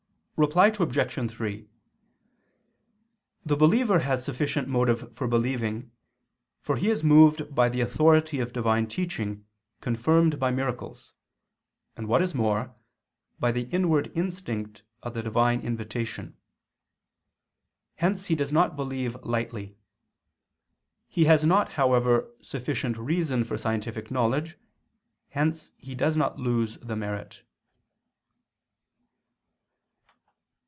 Reply Obj. 3: The believer has sufficient motive for believing, for he is moved by the authority of Divine teaching confirmed by miracles, and, what is more, by the inward instinct of the Divine invitation: hence he does not believe lightly. He has not, however, sufficient reason for scientific knowledge, hence he does not lose the merit.